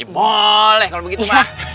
boleh kalau begitu pak